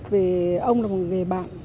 vì ông là một người bạn